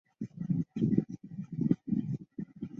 竹山淫羊藿为小檗科淫羊藿属下的一个种。